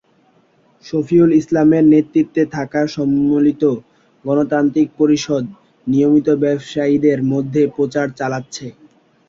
শফিউল ইসলামের নেতৃত্বে থাকা সম্মিলিত গণতান্ত্রিক পরিষদ নিয়মিত ব্যবসায়ীদের মধ্যে প্রচার চালাচ্ছে।